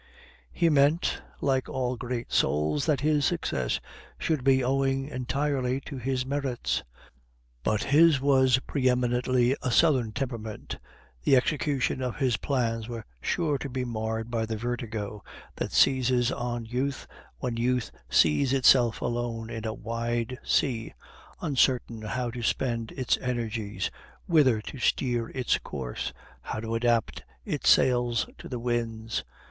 He meant, like all great souls, that his success should be owing entirely to his merits; but his was pre eminently a southern temperament, the execution of his plans was sure to be marred by the vertigo that seizes on youth when youth sees itself alone in a wide sea, uncertain how to spend its energies, whither to steer its course, how to adapt its sails to the winds.